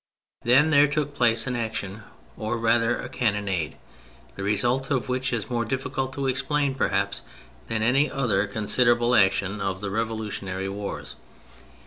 Then there took place an action, or rather a cannonade, the result of which is more difficult to explain, perhaps, than any other considerable action of the revolutionar37^ wars.